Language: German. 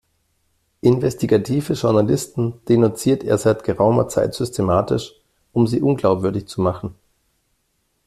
Investigative Journalisten denunziert er seit geraumer Zeit systematisch, um sie unglaubwürdig zu machen.